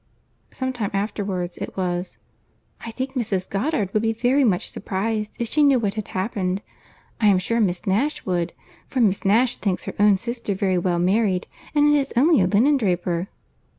Some time afterwards it was, "I think Mrs. Goddard would be very much surprized if she knew what had happened. I am sure Miss Nash would—for Miss Nash thinks her own sister very well married, and it is only a linen draper."